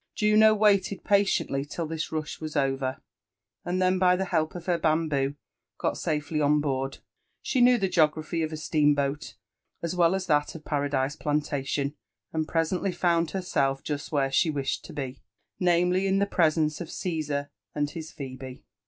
Juno waited patiently till this rush was over, and then by the help of her bamboo got safely on board. She knew the geography of a steam boat as well as that of Paradise Plantation, and presently found herself just where she wished to be; namely, in the preseirce of Caesar and his Phebe.